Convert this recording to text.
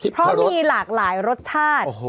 เพราะมีหลากหลายรสชาติ